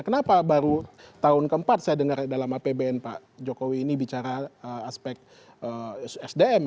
kenapa baru tahun keempat saya dengar dalam apbn pak jokowi ini bicara aspek sdm